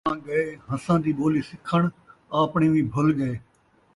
کاں ڳئے ہنساں دی ٻولی سکھݨ ، آپݨی وی بھُل ڳئے